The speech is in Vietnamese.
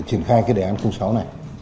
triển khai cái đề án sáu này